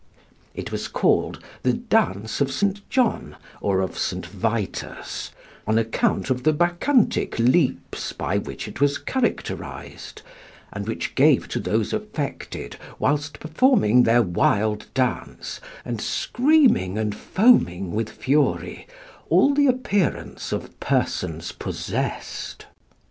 It was called the dance of St. John or of St. Vitus, on account of the Bacchantic leaps by which it was characterised, and which gave to those affected, whilst performing their wild dance, and screaming and foaming with fury, all the appearance of persons possessed.